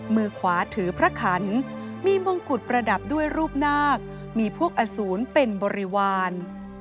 มือขวาถือพระขันมีมงกุฎประดับด้วยรูปนาคมีพวกอสูรเป็นบริวาร